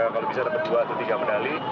kalau bisa tetap dua atau tiga medali